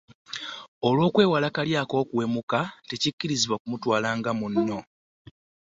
Olw’okwewala kali ak’okuwemuka tekikkirizibwa kumutwala nga munno.